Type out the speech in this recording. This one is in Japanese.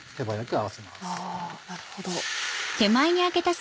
あなるほど。